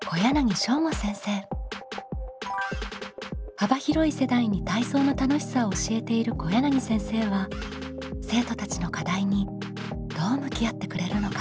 幅広い世代に体操の楽しさを教えている小柳先生は生徒たちの課題にどう向き合ってくれるのか？